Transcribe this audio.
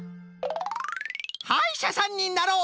「はいしゃさんになろう！」